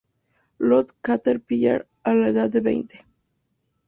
Lost Caterpillar" a la edad de veinte.